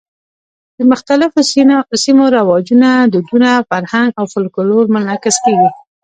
د مختلفو سیمو رواجونه، دودونه، فرهنګ او فولکلور منعکس کېږي.